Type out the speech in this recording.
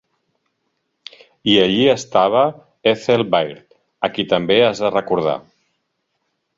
I allí estava Ethel Baird, a qui també has de recordar.